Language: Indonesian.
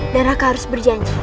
dan raka harus berjanji